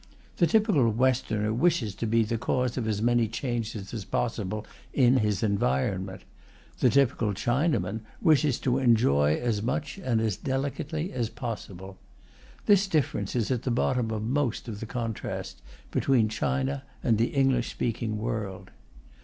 The typical Westerner wishes to be the cause of as many changes as possible in his environment; the typical Chinaman wishes to enjoy as much and as delicately as possible. This difference is at the bottom of most of the contrast between China and the English speaking world.